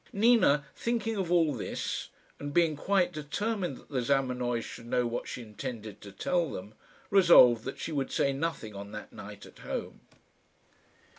Nina, thinking of all this, and being quite determined that the Zamenoys should know what she intended to tell them, resolved that she would say nothing on that night at home.